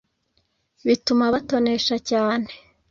bituma abatonesha cyane.